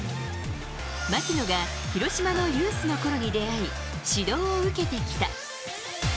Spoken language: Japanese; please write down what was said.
槙野が広島のユースのころに出会い、指導を受けてきた。